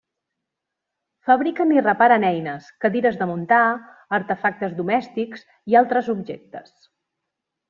Fabriquen i reparen eines, cadires de muntar, artefactes domèstics i altres objectes.